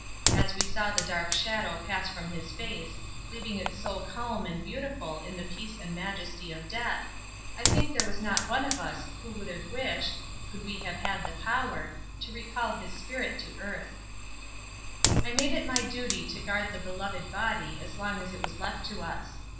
As we saw the dark shadow pass from his face, leaving it so calm and beautiful in the peace and majesty of death, I think there was not one of us who would have wished, could we have had the power, to recall his spirit to earth. I made it my duty to guard the beloved body as long as it was left to us.